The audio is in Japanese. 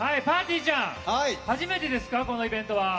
ぱーてぃーちゃん、初めてですか、このイベントは。